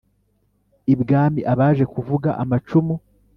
ibwami abaje kuvuga amacumu